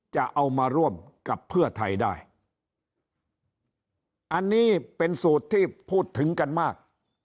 จะเอามาร่วมกับเพื่อไทยได้อันนี้เป็นสูตรที่พูดถึงกันมาก